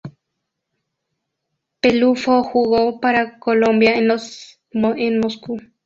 Peluffo jugó para Colombia en los en Moscú.